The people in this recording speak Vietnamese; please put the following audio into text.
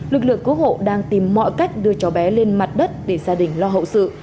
lực lượng cứu hộ đang tìm mọi cách đưa cháu bé lên mặt đất để gia đình lo hậu sự